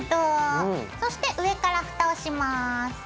そして上から蓋をします。